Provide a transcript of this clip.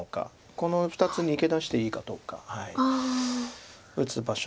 この２つ逃げ出していいかどうか打つ場所。